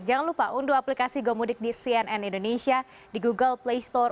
jangan lupa unduh aplikasi gomudik di cnn indonesia di google play store